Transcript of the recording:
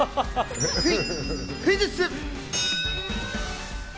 クイズッス！